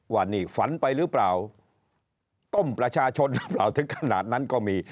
ว่านี่ฝันไปหรือเปล่าต้มประชาชนหรือเปล่าถึงขนาดนั้นก็มี